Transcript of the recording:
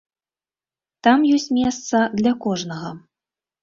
Там ёсць месца для кожнага.